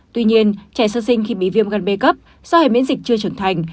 tuy nhiên trẻ sơ sinh khi bị viêm gan b cấp do hệ miễn dịch chưa trưởng thành